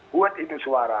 buat itu suara